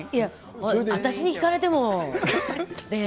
私に聞かれても、ねえ。